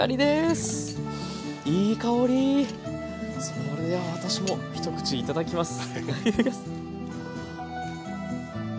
それでは私も一口頂きます。